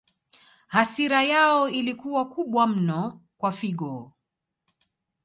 Hasira yao ilikuwa kubwa mno kwa Figo